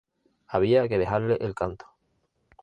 Había que dejarle el canto.